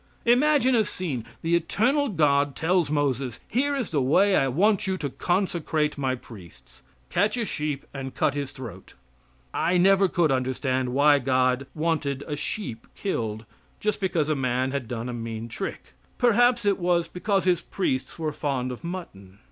Imagine a scene: The eternal God tells Moses "Here is the way I want you to consecrate my priests. Catch a sheep and cut his throat." I never could understand why God wanted a sheep killed just because a man had done a mean trick; perhaps it was because his priests were fond of mutton.